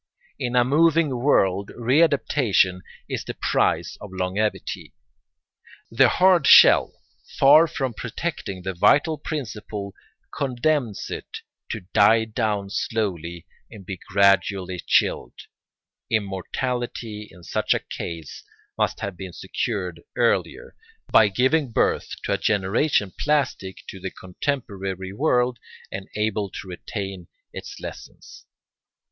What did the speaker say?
In a moving world readaptation is the price of longevity. The hard shell, far from protecting the vital principle, condemns it to die down slowly and be gradually chilled; immortality in such a case must have been secured earlier, by giving birth to a generation plastic to the contemporary world and able to retain its lessons.